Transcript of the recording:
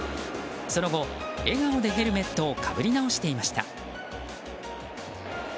その後、笑顔でヘルメットをかぶり直していました。